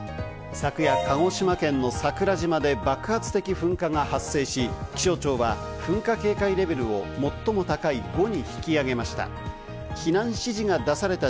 昨夜、鹿児島県の桜島で爆発的噴火が発生し、気象庁は噴火警戒レベルを最も高い５に引き上げました。